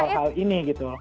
keras soal hal ini gitu